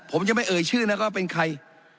ผมจะไม่เอ่ยชื่อนะก็เป็นใคร